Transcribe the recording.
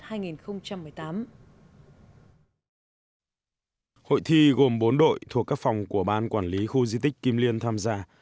hội thi gồm bốn đội thuộc các phòng của ban quản lý khu di tích kim liên tham gia